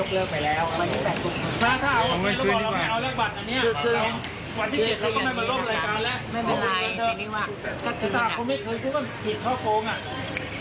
เขาไม่เคยพูดว่ามันผิดเท่าโครง